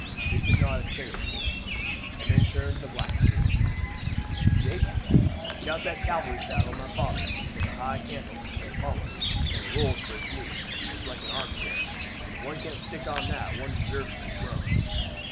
Vincent nodded carelessly, and then turned to the black groom. "Jake, get out that cavalry saddle of my father's, with the high cantle and pommel, and the rolls for the knees. It's like an armchair, and if one can't stick on on that, one deserves to be thrown."